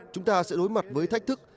chúng ta sẽ đối mặt với thách thức